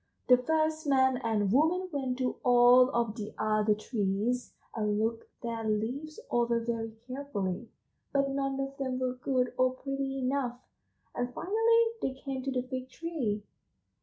"The first man and woman went to all of the other trees and looked their leaves over very carefully, but none of them were good or pretty enough, and finally they came to the Fig tree."